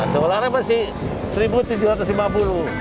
dolarnya pasti rp satu tujuh ratus lima puluh